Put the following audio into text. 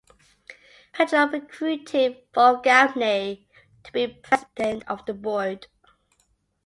Petrov recruited Falk Gaffney to be president of the Board.